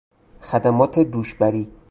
خدمات دوش بری